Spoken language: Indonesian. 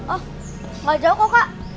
oh nggak jauh kok kak